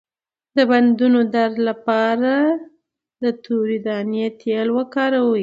د بندونو درد لپاره د تورې دانې تېل وکاروئ